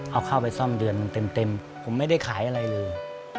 เอาข้าวไปซ่อมเดือนเต็มผมไม่ได้ขายอะไรเลย